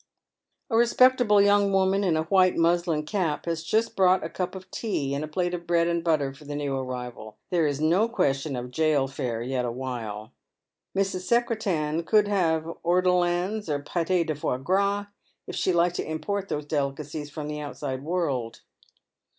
A respectable young woman, in a white muslin cap, has just brought a cup of tea and a plate of bread and butter for the new arrival. There is no question of jail fare yet awhile. Mrs. Secretan could have ortolans or pates de Joie gras, if she liked to import those delicacies from the outside world.